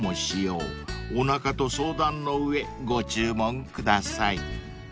［おなかと相談の上ご注文ください］